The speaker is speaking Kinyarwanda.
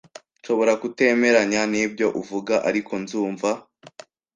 Nshobora kutemeranya nibyo uvuga, ariko nzumva.